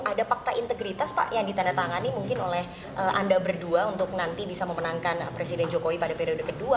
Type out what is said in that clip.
ada fakta integritas pak yang ditandatangani mungkin oleh anda berdua untuk nanti bisa memenangkan presiden jokowi pada periode kedua